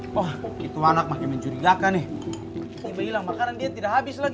wah itu anak makanya mencurigakan nih tiba tiba hilang makanan dia tidak habis lagi